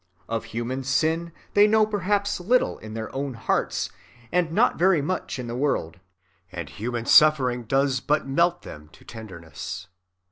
Of human sin they know perhaps little in their own hearts and not very much in the world; and human suffering does but melt them to tenderness.